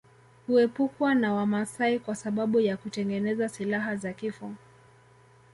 Huepukwa na Wamaasai kwa sababu ya kutengeneza silaha za kifo